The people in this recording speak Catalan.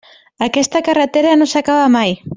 Aquesta carretera no s'acaba mai.